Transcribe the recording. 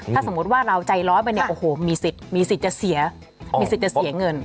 ถ้าสมมติว่าเราใจร้อนไปมีสิทธิ์จะเสียเงิน